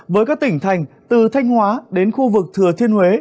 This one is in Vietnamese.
với các tỉnh thành từ thanh hóa đến khu vực thừa thiên huế